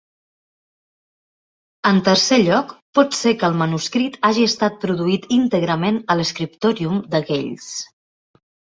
En tercer lloc, pot ser que el manuscrit hagi estat produït íntegrament a l'"scriptorium" de Kells.